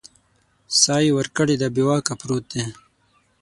ساه یې ورکړې ده بې واکه پروت دی